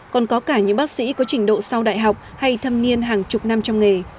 còn có cả những bác sĩ có trình độ sau đại học hay thâm niên hàng chục năm trong nghề